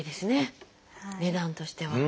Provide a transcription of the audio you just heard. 値段としては。